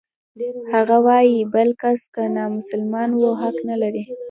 هغه وايي بل کس که نامسلمان و حق نلري.